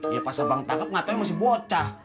iya pas abang tangkap gak tau masih bocah